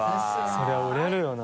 そりゃ売れるよな。